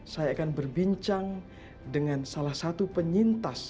saya akan berbincang dengan salah satu penyintas